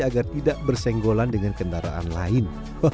agar tidak bersenggolan dengan kendaraan lain